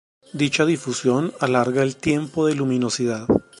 Dicha difusión alarga el tiempo de luminosidad.